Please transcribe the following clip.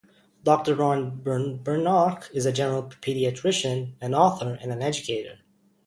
Dr. Roy Benaroch is a general pediatrician, an author, and an educator.